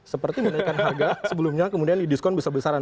seperti menaikkan harga sebelumnya kemudian di diskon besar besaran